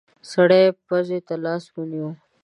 سړی پزې ته لاس ونيو.